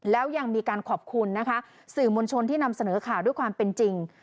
แล้วยังมีการขอบคุณนะคะสื่อมวลชนที่นำเสนอข่าวด้วยความเป็นจริง